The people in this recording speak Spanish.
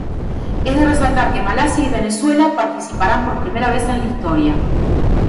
Es de resaltar que Malasia y Venezuela participarán por primera vez en la historia.